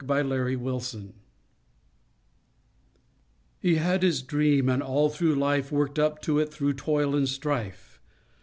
HE HAD HIS DREAM He had his dream, and all through life, Worked up to it through toil and strife.